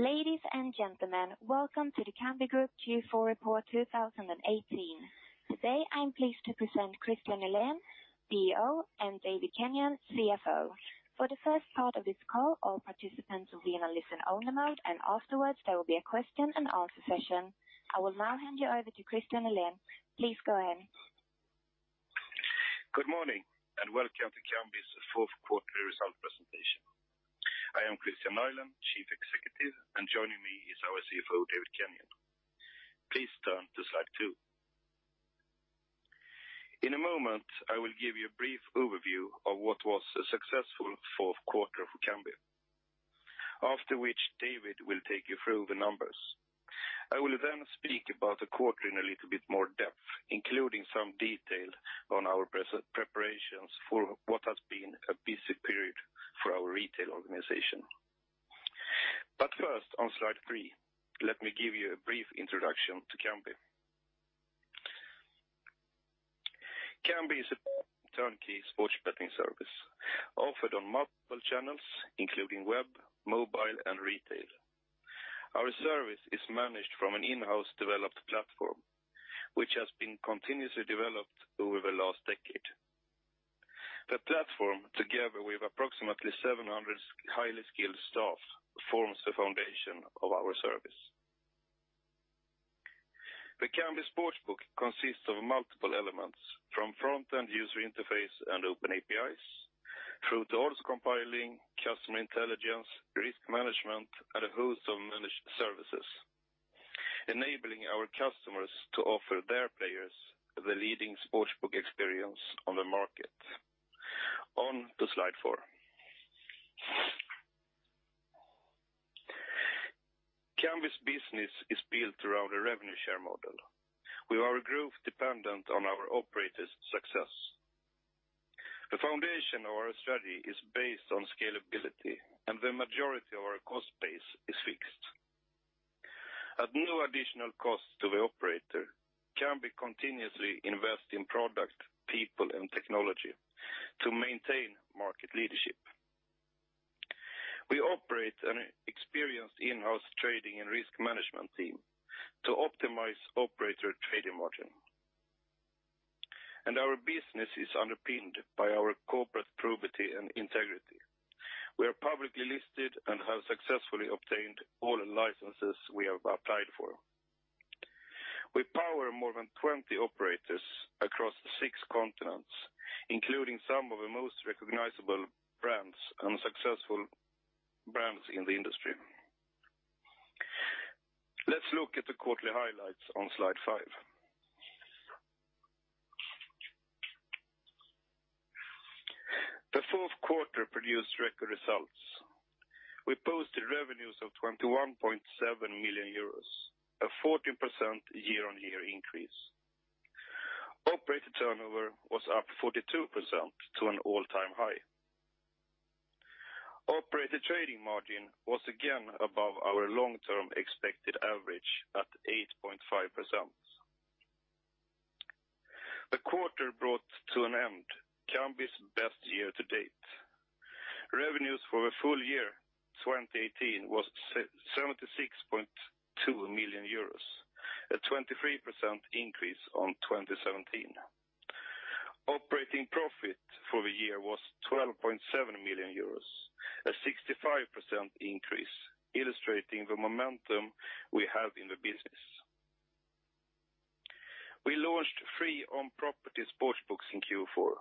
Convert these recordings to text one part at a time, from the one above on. Ladies and gentlemen, welcome to the Kambi Group Q4 Report 2018. Today, I'm pleased to present Kristian Nylén, CEO, and David Kenyon, CFO. For the first part of this call, all participants will be in a listen-only mode. Afterwards, there will be a question and answer session. I will now hand you over to Kristian Nylén. Please go ahead. Good morning, welcome to Kambi's fourth quarterly result presentation. I am Kristian Nylén, Chief Executive. Joining me is our CFO, David Kenyon. Please turn to slide two. In a moment, I will give you a brief overview of what was a successful fourth quarter for Kambi, after which David will take you through the numbers. I will speak about the quarter in a little bit more depth, including some detail on our preparations for what has been a busy period for our retail organization. First, on slide three, let me give you a brief introduction to Kambi. Kambi is a turnkey sports betting service offered on multiple channels, including web, mobile, and retail. Our service is managed from an in-house developed platform, which has been continuously developed over the last decade. The platform, together with approximately 700 highly skilled staff, forms the foundation of our service. The Kambi Sportsbook consists of multiple elements from front-end user interface and open APIs through to odds compiling, customer intelligence, risk management, and a host of managed services, enabling our customers to offer their players the leading sportsbook experience on the market. On to slide four. Kambi's business is built around a revenue share model, with our growth dependent on our operators' success. The foundation of our strategy is based on scalability. The majority of our cost base is fixed. At no additional cost to the operator, Kambi continuously invest in product, people, and technology to maintain market leadership. We operate an experienced in-house trading and risk management team to optimize operator trading margin. Our business is underpinned by our corporate probity and integrity. We are publicly listed and have successfully obtained all the licenses we have applied for. We power more than 20 operators across the six continents, including some of the most recognizable brands and successful brands in the industry. Let's look at the quarterly highlights on slide five. The fourth quarter produced record results. We posted revenues of 21.7 million euros, a 14% year-on-year increase. Operator turnover was up 42% to an all-time high. Operator trading margin was again above our long-term expected average at 8.5%. The quarter brought to an end Kambi's best year to date. Revenues for the full year 2018 was 76.2 million euros, a 23% increase on 2017. Operating profit for the year was 12.7 million euros, a 65% increase, illustrating the momentum we have in the business. We launched three on-property sportsbooks in Q4,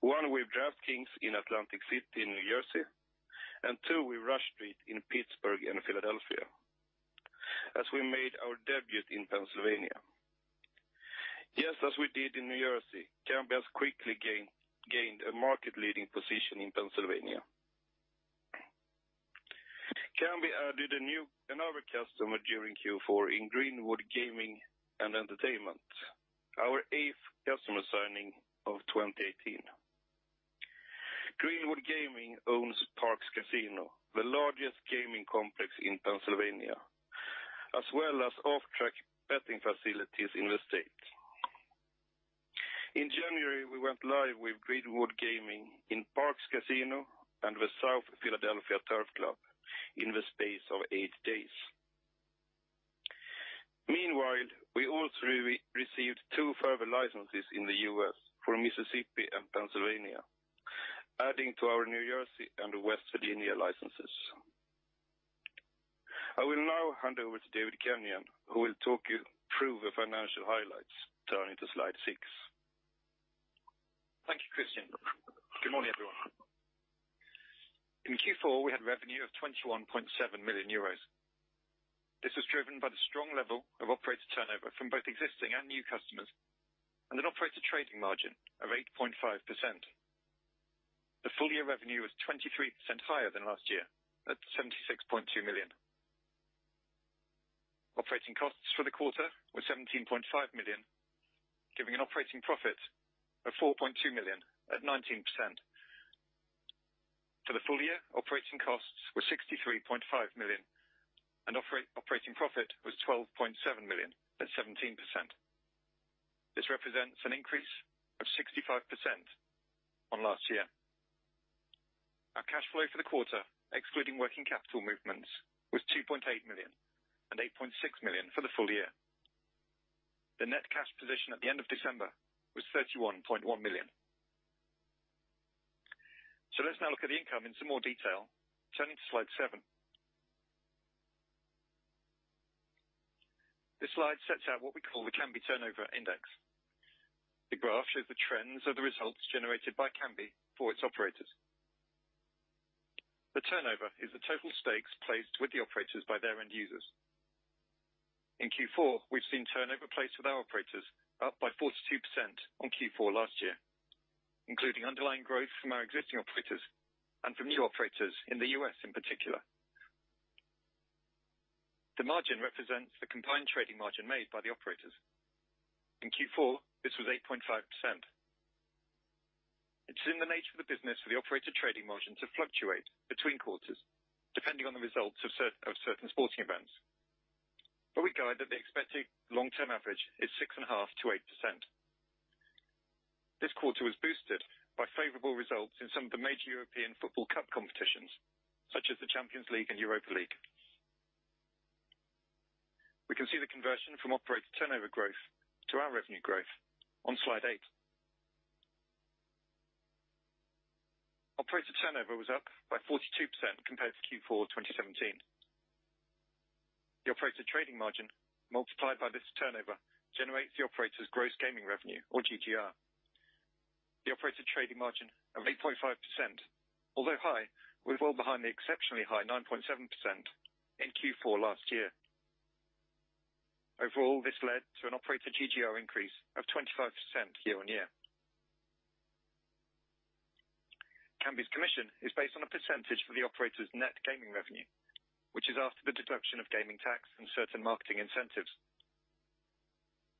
one with DraftKings in Atlantic City in New Jersey, and two with Rush Street in Pittsburgh and Philadelphia, as we made our debut in Pennsylvania. Just as we did in New Jersey, Kambi has quickly gained a market-leading position in Pennsylvania. Kambi added another customer during Q4 in Greenwood Gaming and Entertainment, our eighth customer signing of 2018. Greenwood Gaming owns Parx Casino, the largest gaming complex in Pennsylvania, as well as off-track betting facilities in the state. In January, we went live with Greenwood Gaming in Parx Casino and the South Philadelphia Turf Club in the space of eight days. Meanwhile, we also received two further licenses in the U.S. for Mississippi and Pennsylvania, adding to our New Jersey and West Virginia licenses. I will now hand over to David Kenyon, who will talk you through the financial highlights, turning to slide six. Thank you, Kristian. Good morning, everyone. In Q4, we had revenue of 21.7 million euros. This was driven by the strong level of operator turnover from both existing and new customers and an operator trading margin of 8.5%. The full-year revenue was 23% higher than last year, at 76.2 million. Operating costs for the quarter were 17.5 million, giving an operating profit of 4.2 million at 19%. For the full year, operating costs were 63.5 million, and operating profit was 12.7 million at 17%. This represents an increase of 65% on last year. Our cash flow for the quarter, excluding working capital movements, was 2.8 million and 8.6 million for the full year. The net cash position at the end of December was 31.1 million. Let's now look at the income in some more detail, turning to slide seven. This slide sets out what we call the Kambi Turnover Index. The graph shows the trends of the results generated by Kambi for its operators. The turnover is the total stakes placed with the operators by their end users. In Q4, we've seen turnover placed with our operators up by 42% on Q4 last year, including underlying growth from our existing operators and from new operators in the U.S. in particular. The margin represents the combined trading margin made by the operators. In Q4, this was 8.5%. It is in the nature of the business for the operator trading margin to fluctuate between quarters, depending on the results of certain sporting events. We guide that the expected long-term average is 6.5%-8%. This quarter was boosted by favorable results in some of the major European football cup competitions, such as the Champions League and Europa League. We can see the conversion from operator turnover growth to our revenue growth on slide eight. Operator turnover was up by 42% compared to Q4 2017. The operator trading margin multiplied by this turnover generates the operator's gross gaming revenue or GGR. The operator trading margin of 8.5%, although high, was well behind the exceptionally high 9.7% in Q4 last year. Overall, this led to an operator GGR increase of 25% year-on-year. Kambi's commission is based on a percentage for the operator's net gaming revenue, which is after the deduction of gaming tax and certain marketing incentives.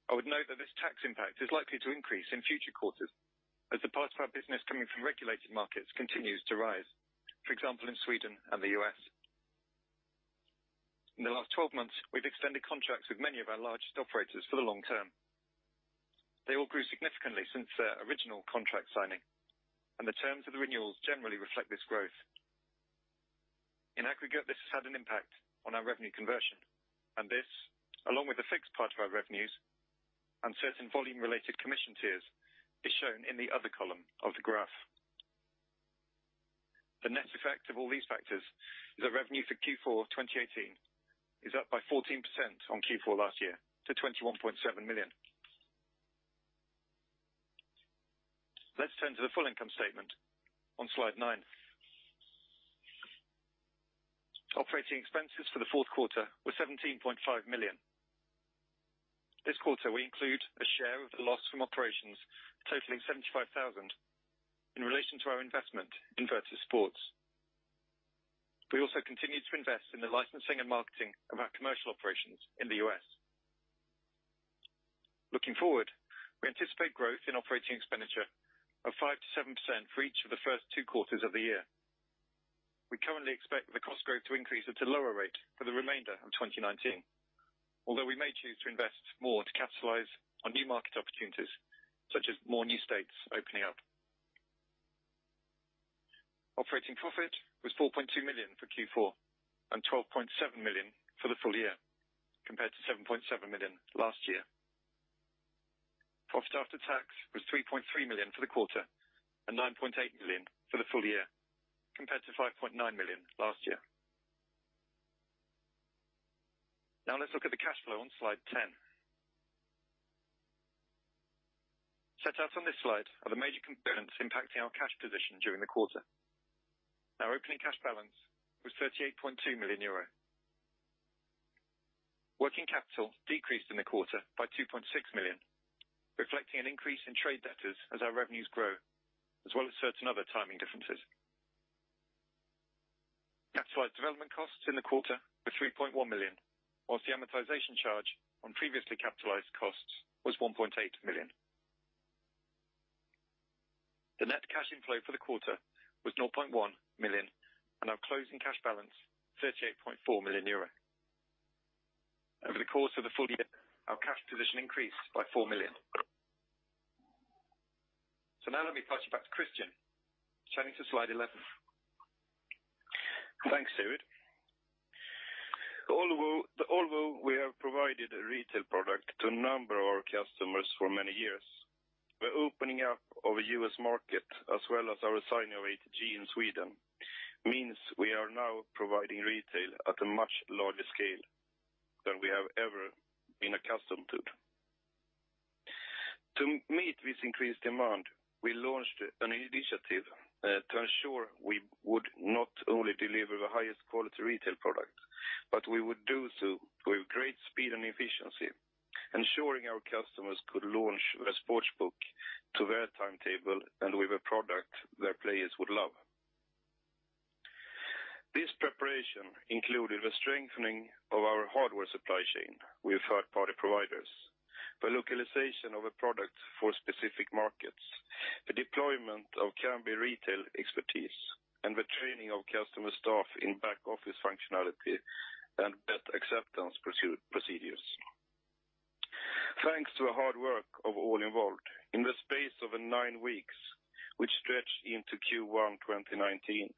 I would note that this tax impact is likely to increase in future quarters as the part of our business coming from regulated markets continues to rise, for example, in Sweden and the U.S. In the last 12 months, we've extended contracts with many of our largest operators for the long term. They all grew significantly since their original contract signing, the terms of the renewals generally reflect this growth. In aggregate, this has had an impact on our revenue conversion, this, along with the fixed part of our revenues and certain volume-related commission tiers, is shown in the other column of the graph. The net effect of all these factors is that revenue for Q4 2018 is up by 14% on Q4 last year to 21.7 million. Let's turn to the full income statement on slide nine. Operating expenses for the fourth quarter were 17.5 million. This quarter, we include a share of the loss from operations totaling 75,000 in relation to our investment in Virtus Sports. We also continued to invest in the licensing and marketing of our commercial operations in the U.S. Looking forward, we anticipate growth in operating expenditure of 5%-7% for each of the first two quarters of the year. We currently expect the cost growth to increase at a lower rate for the remainder of 2019, although we may choose to invest more to capitalize on new market opportunities, such as more new states opening up. Operating profit was 4.2 million for Q4 and 12.7 million for the full year, compared to 7.7 million last year. Profit after tax was 3.3 million for the quarter and 9.8 million for the full year, compared to 5.9 million last year. Now let's look at the cash flow on slide 10. Set out on this slide are the major components impacting our cash position during the quarter. Our opening cash balance was 38.2 million euro. Working capital decreased in the quarter by 2.6 million, reflecting an increase in trade debtors as our revenues grow, as well as certain other timing differences. Capitalized development costs in the quarter were 3.1 million, whilst the amortization charge on previously capitalized costs was 1.8 million. The net cash inflow for the quarter was 0.1 million and our closing cash balance, 38.4 million euro. Over the course of the full year, our cash position increased by 4 million. Now let me pass you back to Kristian. Turning to slide 11. Thanks, David. Although we have provided a retail product to a number of our customers for many years, we're opening up our U.S. market as well as our signing of ATG in Sweden, means we are now providing retail at a much larger scale than we have ever been accustomed to. To meet this increased demand, we launched an initiative to ensure we would not only deliver the highest quality retail product, but we would do so with great speed and efficiency, ensuring our customers could launch a sportsbook to their timetable and with a product their players would love. This preparation included the strengthening of our hardware supply chain with third-party providers, the localization of a product for specific markets. The deployment of Kambi retail expertise and the training of customer staff in back-office functionality and bet acceptance procedures. Thanks to the hard work of all involved, in the space of nine weeks, which stretched into Q1 2019,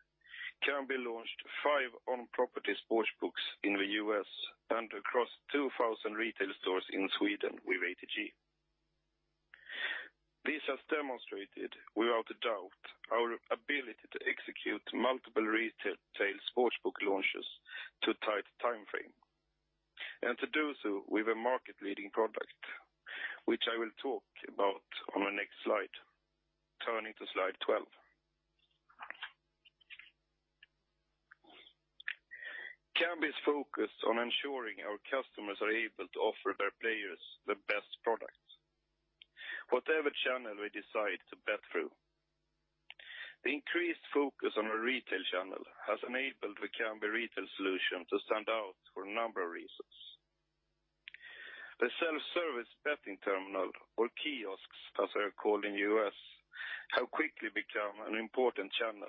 Kambi launched five on-property sportsbooks in the U.S. and across 2,000 retail stores in Sweden with ATG. This has demonstrated, without a doubt, our ability to execute multiple retail sportsbook launches to a tight timeframe. To do so with a market-leading product, which I will talk about on the next slide. Turning to slide 12. Kambi is focused on ensuring our customers are able to offer their players the best products, whatever channel we decide to bet through. The increased focus on the retail channel has enabled the Kambi retail solution to stand out for a number of reasons. The self-service betting terminal, or kiosks, as they are called in the U.S., have quickly become an important channel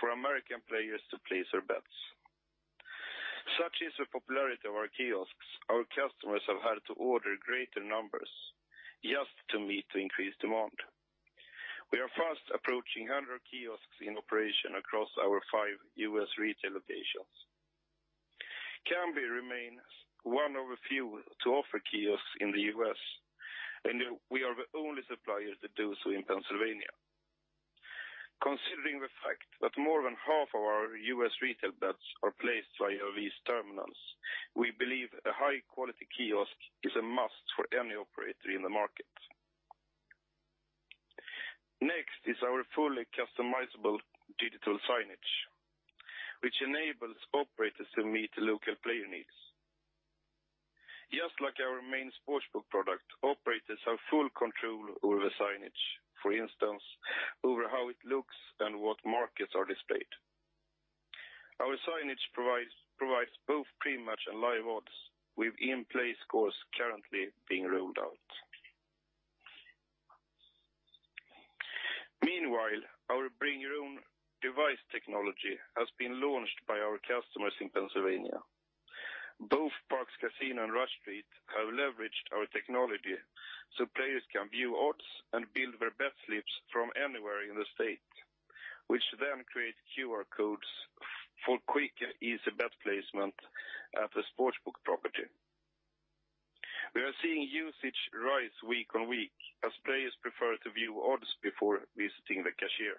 for American players to place their bets. Such is the popularity of our kiosks, our customers have had to order greater numbers just to meet the increased demand. We are fast approaching 100 kiosks in operation across our five U.S. retail locations. Kambi remains one of the few to offer kiosks in the U.S., and we are the only supplier to do so in Pennsylvania. Considering the fact that more than half of our U.S. retail bets are placed via these terminals, we believe a high-quality kiosk is a must for any operator in the market. Next is our fully customizable digital signage, which enables operators to meet local player needs. Just like our main sportsbook product, operators have full control over signage, for instance, over how it looks and what markets are displayed. Our signage provides both pre-match and live odds, with in-play scores currently being rolled out. Meanwhile, our bring-your-own device technology has been launched by our customers in Pennsylvania. Both Parx Casino and Rush Street have leveraged our technology so players can view odds and build their bet slips from anywhere in the state, which then create QR codes for quick and easy bet placement at the sportsbook property. We are seeing usage rise week on week as players prefer to view odds before visiting the cashier.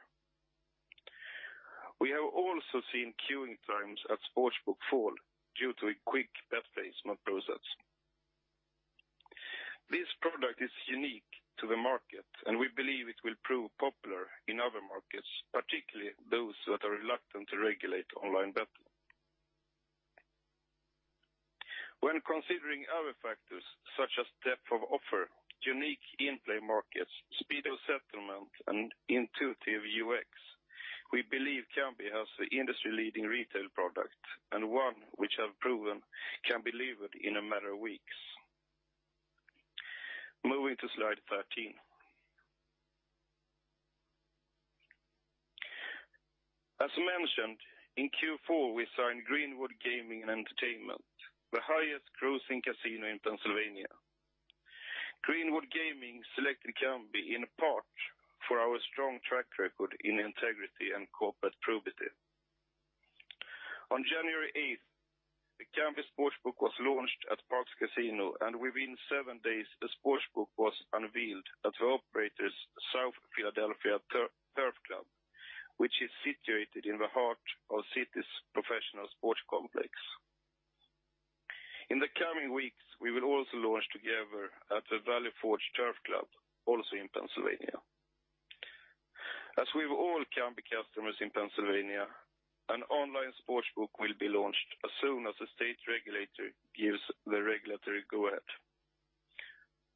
We have also seen queuing times at sportsbook fall due to a quick bet placement process. This product is unique to the market, and we believe it will prove popular in other markets, particularly those that are reluctant to regulate online betting. When considering other factors such as depth of offer, unique in-play markets, speed of settlement, and intuitive UX, we believe Kambi has the industry-leading retail product and one which has proven can be delivered in a matter of weeks. Moving to slide 13. As mentioned, in Q4, we signed Greenwood Gaming and Entertainment, the highest grossing casino in Pennsylvania. Greenwood Gaming selected Kambi in part for our strong track record in integrity and corporate probity. On January 8th, the Kambi Sportsbook was launched at Parx Casino, and within seven days, the sportsbook was unveiled at the operator's South Philadelphia Turf Club, which is situated in the heart of the city's professional sports complex. In the coming weeks, we will also launch together at the Valley Forge Turf Club, also in Pennsylvania. As with all Kambi customers in Pennsylvania, an online sportsbook will be launched as soon as the state regulator gives the regulatory go-ahead.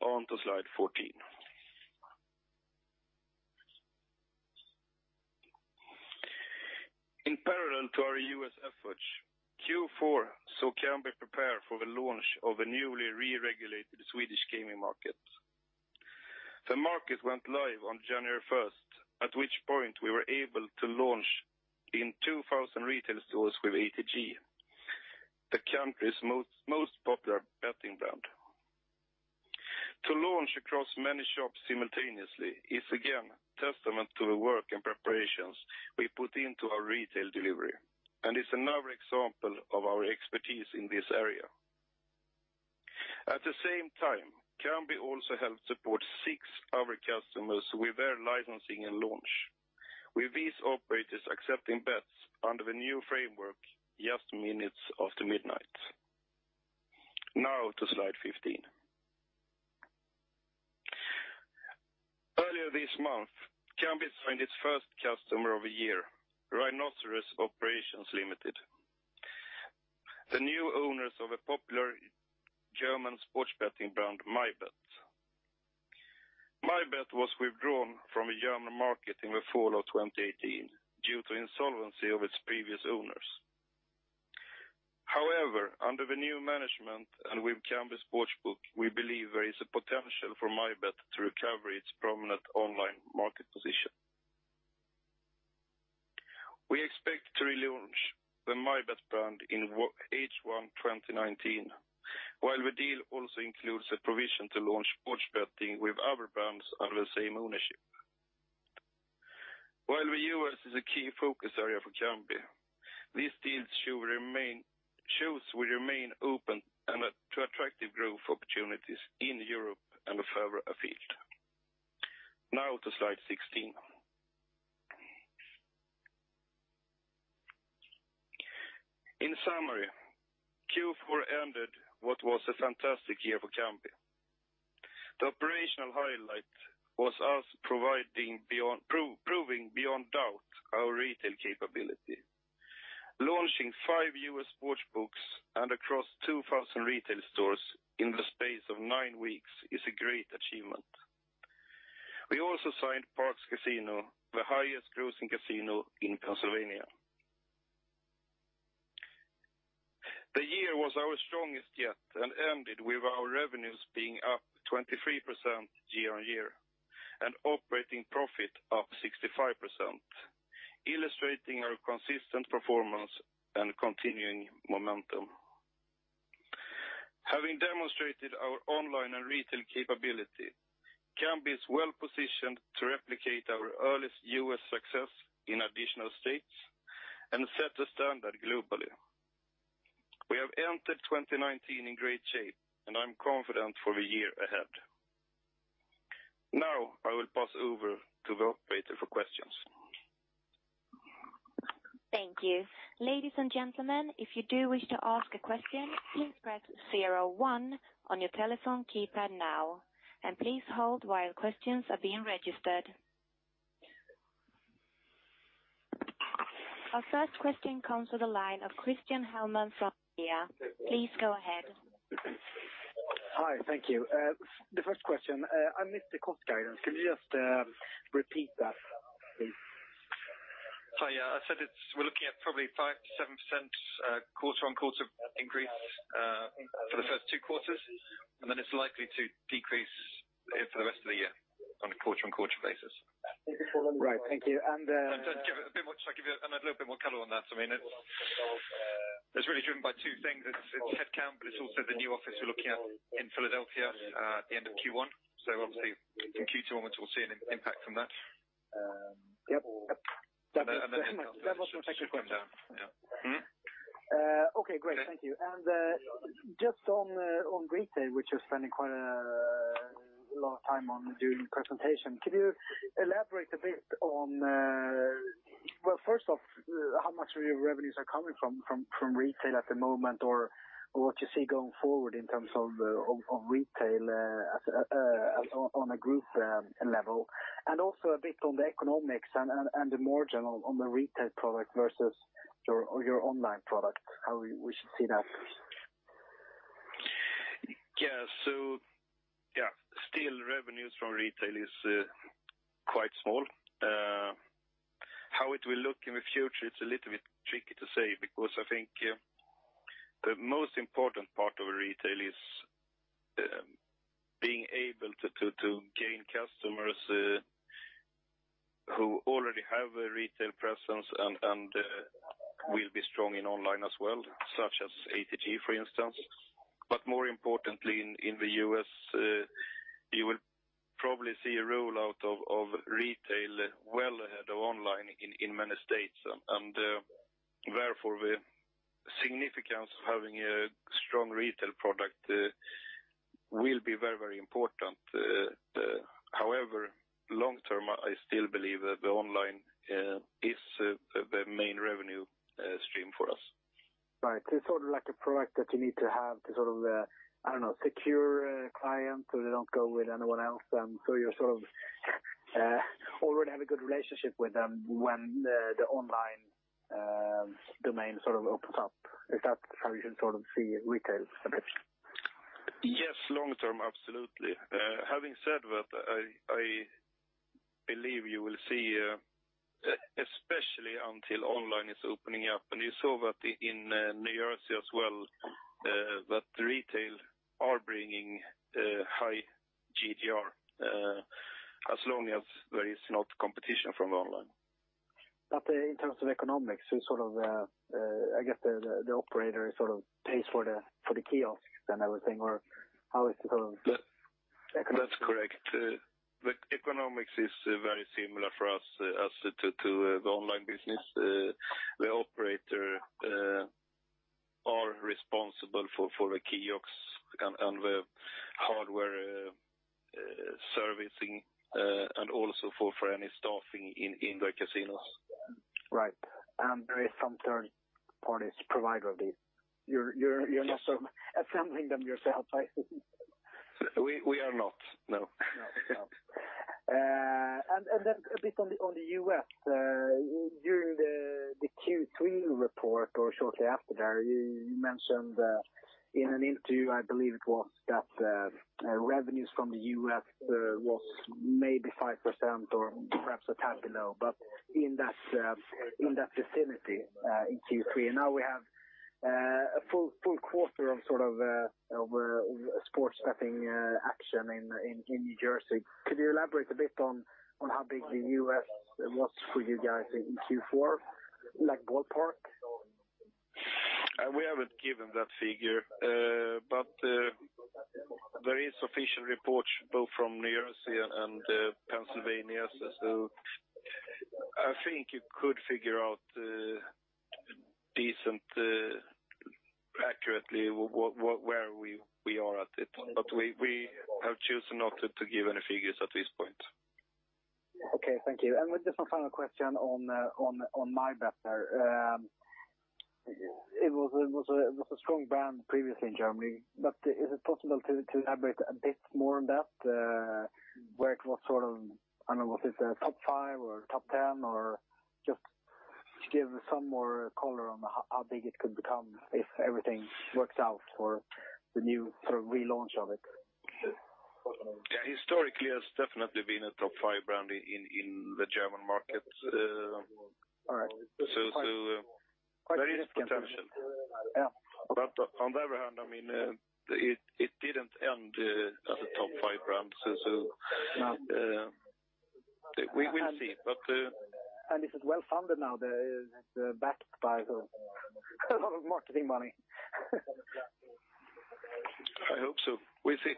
On to slide 14. In parallel to our U.S. efforts, Q4 saw Kambi prepare for the launch of a newly re-regulated Swedish gaming market. The market went live on January 1st, at which point we were able to launch in 2,000 retail stores with ATG, the country's most popular betting brand. To launch across many shops simultaneously is again testament to the work and preparations we put into our retail delivery and is another example of our expertise in this area. At the same time, Kambi also helped support six other customers with their licensing and launch, with these operators accepting bets under the new framework just minutes after midnight. Now to slide 15. Earlier this month, Kambi signed its first customer of the year, Rhinoceros Operations Limited, the new owners of a popular German sports betting brand, mybet. Mybet was withdrawn from the German market in the fall of 2018 due to insolvency of its previous owners. However, under the new management and with Kambi Sportsbook, we believe there is a potential for mybet to recover its prominent online market position. We expect to relaunch the mybet brand in H1 2019, while the deal also includes a provision to launch sports betting with other brands under the same ownership. While the U.S. is a key focus area for Kambi, these deals choose will remain open and to attractive growth opportunities in Europe and further afield. Now to slide 16. In summary, Q4 ended what was a fantastic year for Kambi. The operational highlight was us proving beyond doubt our retail capability. Launching five U.S. sportsbooks and across 2,000 retail stores in the space of nine weeks is a great achievement. We also signed Parx Casino, the highest grossing casino in Pennsylvania. The year was our strongest yet and ended with our revenues being up 23% year-on-year and operating profit up 65%, illustrating our consistent performance and continuing momentum. Having demonstrated our online and retail capability, Kambi is well positioned to replicate our earliest U.S. success in additional states and set a standard globally. We have entered 2019 in great shape, and I'm confident for the year ahead. Now, I will pass over to the operator for questions. Thank you. Ladies and gentlemen, if you do wish to ask a question, please press zero one on your telephone keypad now. Please hold while questions are being registered. Our first question comes to the line of Christian Hellman from Nordea. Please go ahead. Hi, thank you. The first question, I missed the cost guidance. Could you just repeat that, please? Hi, I said we're looking at probably 5%-7% quarter-on-quarter increase for the first two quarters, then it's likely to decrease for the rest of the year on a quarter-on-quarter basis. Right. Thank you. I'll give you a little bit more color on that. It's really driven by two things. It's headcount, but it's also the new office we're looking at in Philadelphia at the end of Q1. Obviously in Q2 onwards, we'll see an impact from that. Yep. Headcount. That was my second question. Yeah. Okay, great. Thank you. Just on retail, which you're spending quite a lot of time on during the presentation, can you elaborate a bit on, first off, how much of your revenues are coming from retail at the moment, or what you see going forward in terms of retail on a group level? Also a bit on the economics and the margin on the retail product versus your online product, how we should see that? Yeah. Still revenues from retail is quite small. How it will look in the future, it's a little bit tricky to say because I think the most important part of retail is being able to gain customers who already have a retail presence and will be strong in online as well, such as ATG, for instance. More importantly in the U.S., you will probably see a rollout of retail well ahead of online in many states. Therefore, the significance of having a strong retail product will be very important. However, long term, I still believe the online is the main revenue stream for us. Right. It's sort of like a product that you need to have to sort of, I don't know, secure a client so they don't go with anyone else. You sort of already have a good relationship with them when the online domain opens up. Is that how you should sort of see retail perhaps? Yes. Long term, absolutely. Having said that, I believe you will see, especially until online is opening up, and you saw that in New Jersey as well, that retail are bringing high GGR as long as there is not competition from online. In terms of economics, I guess the operator sort of pays for the kiosks and everything, or how is the sort of? That's correct. The economics is very similar for us as to the online business. The operator are responsible for the kiosks and the hardware servicing, and also for any staffing in the casinos. Right. There is some third parties provider of these. Yes. You're not sort of assembling them yourself, I assume. We are not, no. No. A bit on the U.S., during the Q3 report or shortly after there, in an interview, I believe it was that revenues from the U.S. was maybe 5% or perhaps a tad below, but in that facility in Q3. We have a full quarter of sports betting action in New Jersey. Could you elaborate a bit on how big the U.S. was for you guys in Q4, like ballpark? We haven't given that figure. There is official reports both from New Jersey and Pennsylvania. I think you could figure out decent accurately where we are at it, we have chosen not to give any figures at this point. Okay, thank you. With just one final question on mybet there. It was a strong brand previously in Germany, is it possible to elaborate a bit more on that, where it was sort of, I don't know, was it the top five or top 10, or just to give some more color on how big it could become if everything works out for the new sort of relaunch of it. Yeah. Historically, it's definitely been a top five brand in the German market. All right. There is potential. Yeah. On the other hand, it didn't end as a top five brand, we will see. This is well-funded now. They're backed by a lot of marketing money. I hope so. We'll see.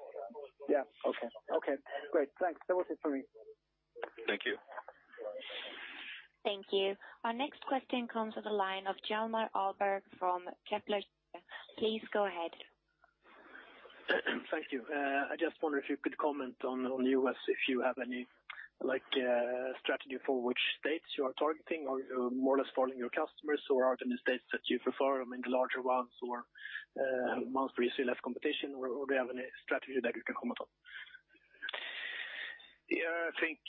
Yeah. Okay, great. Thanks. That was it for me. Thank you. Thank you. Our next question comes to the line of Hjalmar Ahlberg from Kepler Cheuvreux. Please go ahead. Thank you. I just wonder if you could comment on the U.S., if you have any strategy for which states you are targeting, or you're more or less following your customers, or are there any states that you prefer, maybe larger ones, or ones where you see less competition, or do you have any strategy that you can comment on? Yeah, I think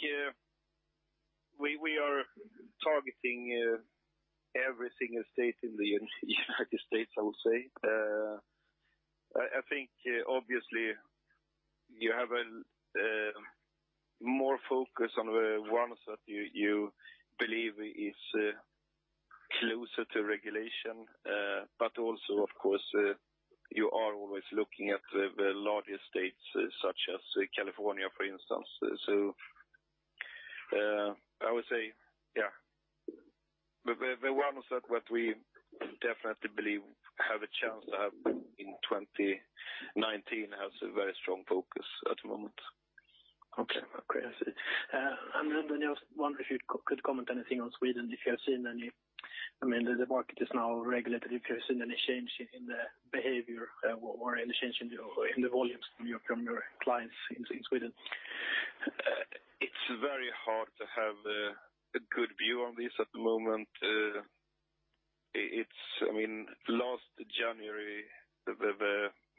we are targeting every single state in the United States, I will say. I think obviously you have more focus on the ones that you believe is closer to regulation. Also of course, you are always looking at the largest states, such as California, for instance. I would say, yeah. The ones that we definitely believe have a chance to have in 2019 has a very strong focus at the moment. Okay. I see. I was wondering if you could comment anything on Sweden, if you have seen any. I mean, the market is now regulated, if you have seen any change in the behavior or any change in the volumes from your clients in Sweden. It's very hard to have a good view on this at the moment. Last January, the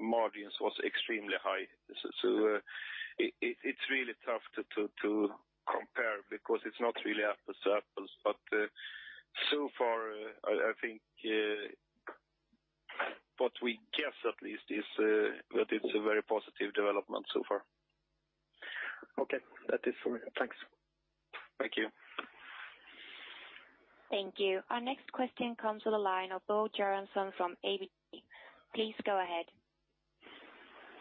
margins was extremely high. It's really tough to compare because it's not really apples to apples. So far, I think what we guess at least is that it's a very positive development so far. Okay. That is for me. Thanks. Thank you. Thank you. Our next question comes to the line of [Bo Jeransson] from ABG. Please go ahead.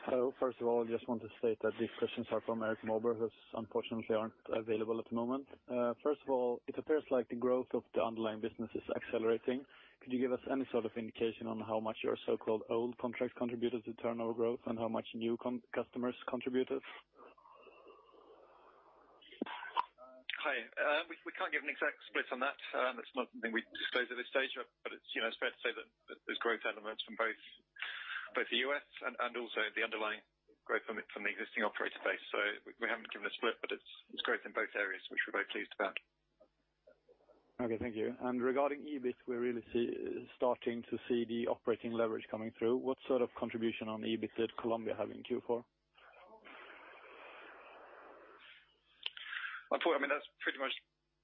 Hello. First of all, I just want to state that these questions are from Erik Moberg, who unfortunately aren't available at the moment. First of all, it appears like the growth of the underlying business is accelerating. Could you give us any sort of indication on how much your so-called old contracts contributed to turnover growth and how much new customers contributed? Hi, we can't give an exact split on that. That's not something we disclose at this stage, but it's fair to say that there's growth elements from both the U.S. and also the underlying growth from the existing operator base. We haven't given a split, but it's growth in both areas, which we're very pleased about. Okay, thank you. Regarding EBIT, we're really starting to see the operating leverage coming through. What sort of contribution on EBIT did Colombia have in Q4? I'm told that's pretty much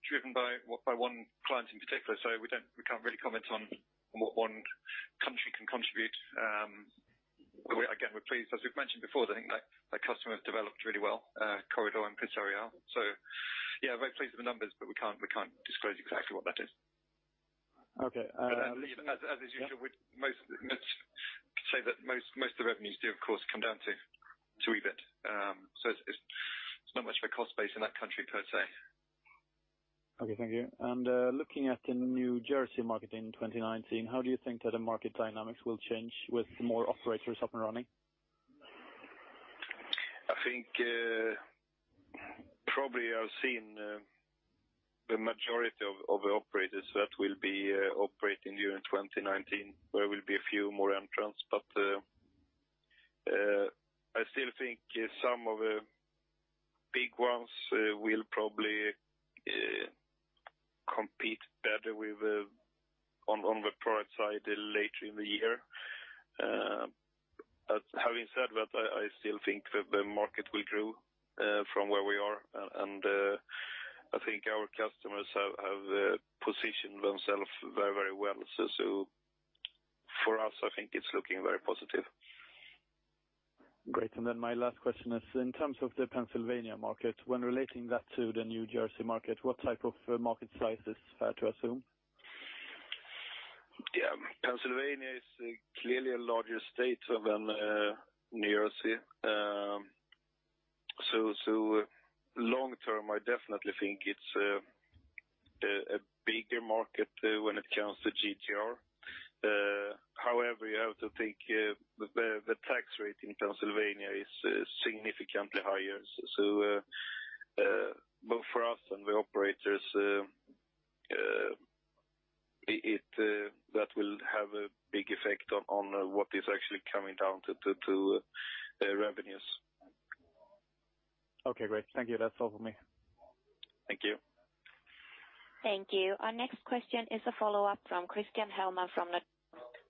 driven by one client in particular. We can't really comment on what one country can contribute. Again, we're pleased, as we've mentioned before, I think that customer have developed really well, Corredor and [BetPlay]. Yeah, very pleased with the numbers, but we can't disclose exactly what that is. Okay. As usual, we'd say that most of the revenues do of course come down to EBIT. It's not much of a cost base in that country per se. Okay, thank you. Looking at the New Jersey market in 2019, how do you think that the market dynamics will change with more operators up and running? I think probably I've seen the majority of operators that will be operating during 2019. There will be a few more entrants, I still think some of the big ones will probably compete better on the product side later in the year. Having said that, I still think the market will grow from where we are and I think our customers have positioned themselves very well. For us, I think it's looking very positive. Great. My last question is, in terms of the Pennsylvania market, when relating that to the New Jersey market, what type of market size is fair to assume? Yeah. Pennsylvania is clearly a larger state than New Jersey. Long term, I definitely think it's a bigger market when it comes to GGR. However, you have to think the tax rate in Pennsylvania is significantly higher. Both for us and the operators, that will have a big effect on what is actually coming down to revenues. Okay, great. Thank you. That's all from me. Thank you. Thank you. Our next question is a follow-up from Christian Hellman.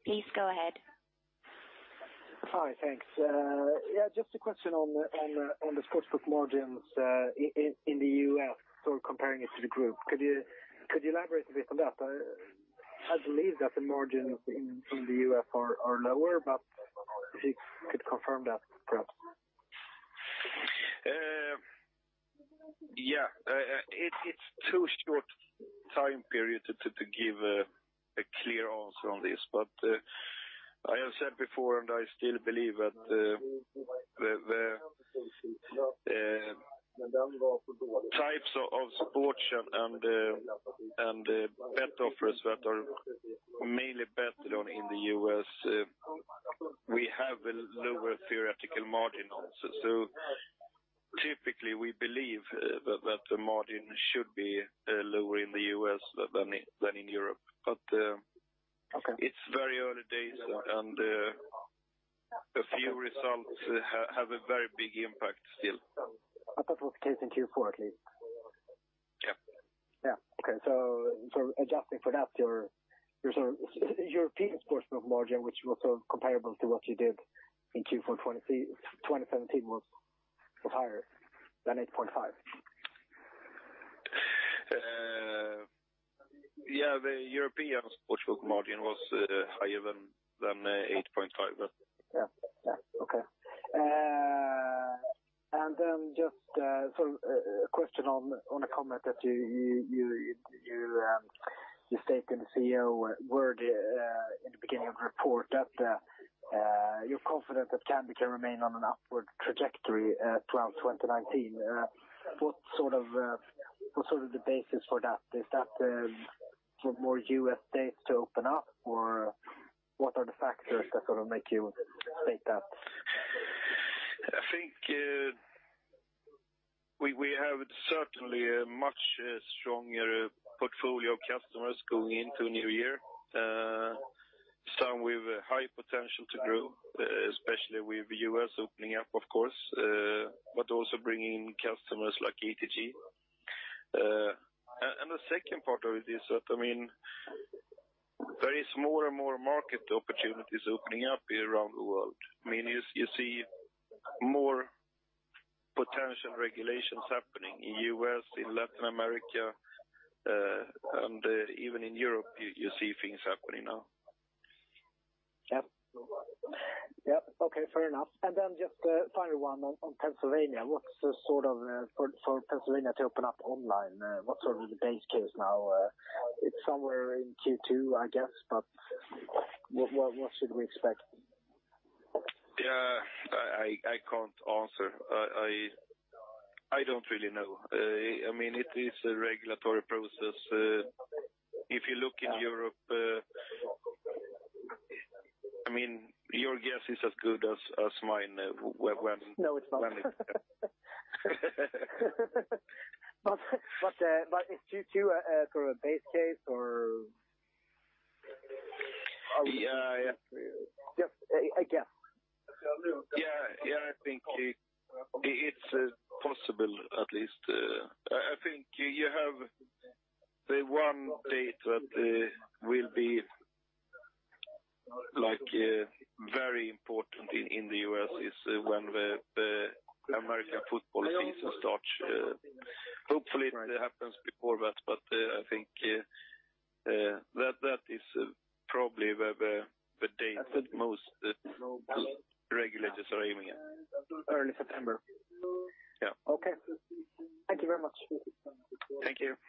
Please go ahead. Hi, thanks. Just a question on the sportsbook margins in the U.S. sort of comparing it to the group. Could you elaborate a bit on that? I believe that the margins in the U.S. are lower, but if you could confirm that, perhaps. Yeah. It's too short time period to give a clear answer on this. I have said before, and I still believe that the types of sports and bet offers that are mainly betted on in the U.S., we have a lower theoretical margin also. Typically, we believe that the margin should be lower in the U.S. than in Europe. Okay. It's very early days, and a few results have a very big impact still. I thought it was the case in Q4 at least. Yeah. Yeah. Okay. Adjusting for that, your European sportsbook margin, which was comparable to what you did in Q4 2017, was higher than 8.5%? Yeah, the European Sportsbook margin was higher than 8.5%. Yeah. Okay. Just a question on a comment that you stated in the CEO word in the beginning of the report that you're confident that Kambi can remain on an upward trajectory throughout 2019. What sort of the basis for that? Is that for more U.S. states to open up, or what are the factors that sort of make you state that? I think we have certainly a much stronger portfolio of customers going into new year. Some with high potential to grow, especially with U.S. opening up, of course, but also bringing in customers like ATG. The second part of it is that, there is more and more market opportunities opening up around the world. You see more potential regulations happening in U.S., in Latin America, and even in Europe, you see things happening now. Yep. Okay, fair enough. Just the final one on Pennsylvania. For Pennsylvania to open up online, what sort of the base case now? It's somewhere in Q2, I guess, but what should we expect? Yeah. I can't answer. I don't really know. It is a regulatory process. If you look in Europe, your guess is as good as mine when. No, it's not. Is Q2 a sort of base case or? Yeah. Just a guess. Yeah, I think it's possible at least. I think you have the one date that will be very important in the U.S. is when the American football season starts. Hopefully it happens before that, but I think that is probably the date that most regulators are aiming at. Early September. Yeah. Okay. Thank you very much. Thank you.